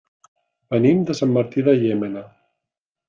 Venim de Sant Martí de Llémena.